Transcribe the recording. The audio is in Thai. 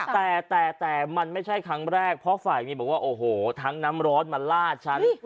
แต่แต่มันไม่ใช่ครั้งแรกเพราะฝ่ายเมียบอกว่าโอ้โหทั้งน้ำร้อนมาลาดฉัน